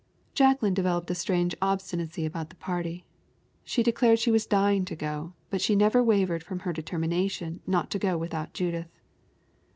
Jacqueline developed a strange obstinacy about the party. She declared she was dying to go, but she never wavered from her determination not to go without Judith.